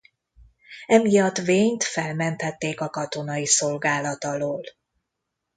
Emiatt Wayne-t felmentették a katonai szolgálat alól.